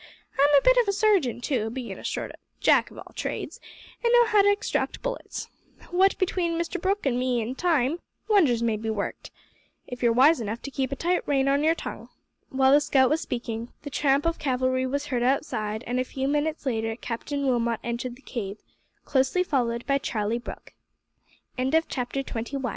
I'm a bit of a surgeon, too bein' a sort o' Jack of all trades, and know how to extract bullets. What between Mr Brooke an' me an' time, wonders may be worked, if you're wise enough to keep a tight rein on your tongue." While the scout was speaking, the tramp of cavalry was heard outside, and a few minutes later Captain Wilmot entered the cave, closely followed by Charlie Brooke. CHAPTER TWENTY TWO. The Cave of the Outlaws Invaded by Gho